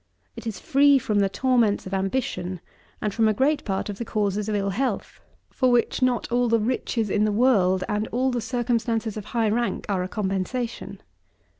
It is free from the torments of ambition, and from a great part of the causes of ill health, for which not all the riches in the world and all the circumstances of high rank are a compensation.